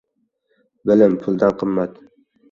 • Bilim — puldan qimmat.